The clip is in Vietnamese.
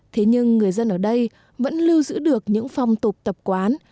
thế nhưng người dân ở đây vẫn lưu giữ được những phong tục tập quán